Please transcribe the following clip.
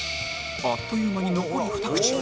あっという間に残り２口